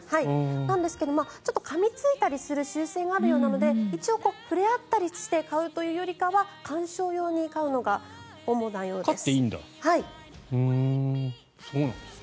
なんですけど、かみついたりする習性があるようなので一応、触れ合ったりして飼うというよりかは観賞用に飼うほうがいいそうです。